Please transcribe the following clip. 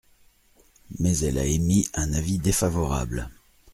Mais elle a émis un avis défavorable.